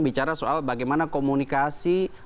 bicara soal bagaimana komunikasi